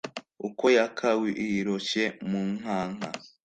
Ukwo yakawiroshye mu nkanka